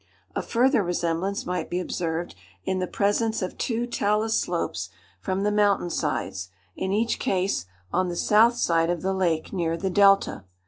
A further resemblance might be observed in the presence of two talus slopes from the mountain sides, in each case on the south side of the lake, near the delta.